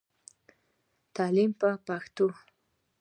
تعليم په پښتو.